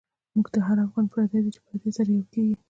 مونږ ته هر افغان پردۍ دۍ، چی پردی سره یو کیږی